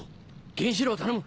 原子炉を頼む！